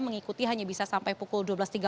mengikuti hanya bisa sampai pukul dua belas tiga puluh